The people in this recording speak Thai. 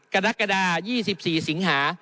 กรกฎา๒๔สิงหา